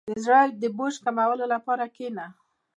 • د زړۀ د بوج کمولو لپاره کښېنه.